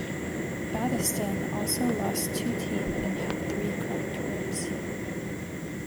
Battiston also lost two teeth and had three cracked ribs.